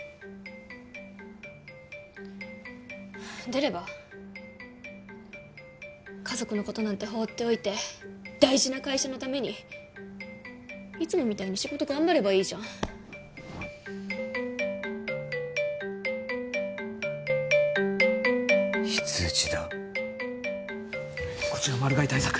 出れば家族のことなんて放っておいて大事な会社のためにいつもみたいに仕事頑張ればいいじゃん非通知だ・こちらマル害対策